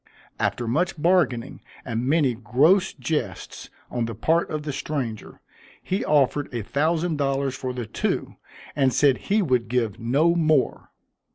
After much bargaining, and many gross jests on the part of the stranger, he offered a thousand dollars for the two, and said he would give no more.